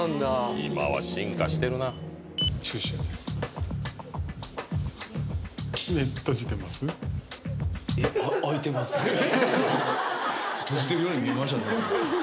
今は進化してるな閉じてるように見えました？